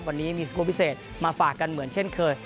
วันนี้มีสกรูปพิเศษมาฝากกันเหมือนเช่นเคย